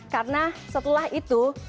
karena setelah itu